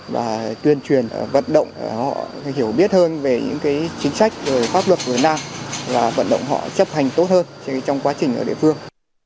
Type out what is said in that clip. và tuyên truyền vận động họ hiểu biết hơn về những chính sách pháp luật của nam và vận động họ chấp hành tốt hơn trong quá trình ở địa phương